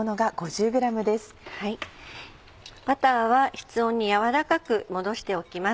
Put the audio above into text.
バターは室温にやわらかく戻しておきます。